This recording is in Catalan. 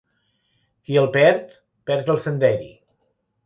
Qui el perd, perd el senderi.